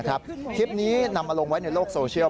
คลิปนี้นำมาลงไว้ในโลกโซเชียล